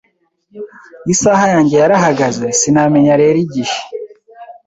Isaha yanjye yarahagaze, sinamenya rero igihe.